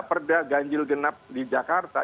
perda ganjil genap di jakarta